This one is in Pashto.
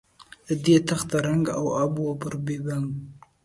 له دې تخته رنګ او آب ور بپراګند.